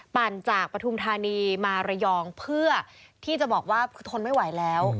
ปั่นจากปฐุมธานีมาระยองเพื่อที่จะบอกว่าคือทนไม่ไหวแล้ว